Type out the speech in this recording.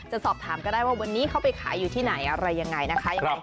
สอบถามก็ได้ว่าวันนี้เขาไปขายอยู่ที่ไหนอะไรยังไงนะคะยังไง